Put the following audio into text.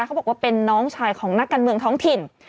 เขาบอกว่าเป็นน้องชายของนักการเมืองท้องถิ่น